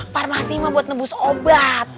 farmasi mah buat nebus obat